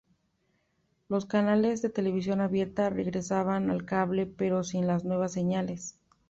Los canales de televisión abierta regresaban al cable, pero sin las nuevas señales.